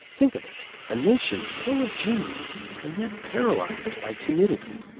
Think of it, a nation full of genius and yet paralyzed by timidity!